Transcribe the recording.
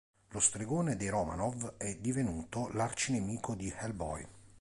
Lo stregone dei Romanov è divenuto l'arcinemico di Hellboy.